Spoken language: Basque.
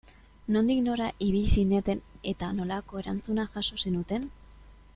Nondik nora ibili zineten eta nolako erantzuna jaso zenuten?